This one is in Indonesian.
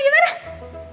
mba wel banget